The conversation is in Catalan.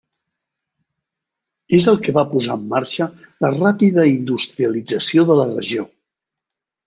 És el que va posar en marxa la ràpida industrialització de la regió.